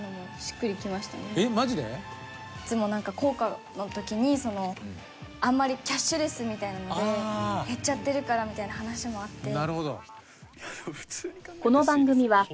いつもなんか硬貨の時にあんまりキャッシュレスみたいなので減っちゃってるからみたいな話もあって。